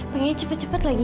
pengennya cepet cepet lagi